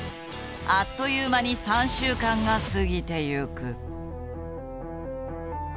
あっという間に３週間が過ぎてゆく。